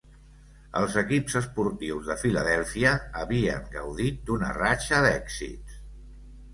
Els equips esportius de Filadèlfia havien gaudit d'una ratxa d'èxits.